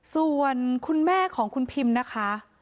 ส่วนคุณแม่ของคุณพิมนะคะ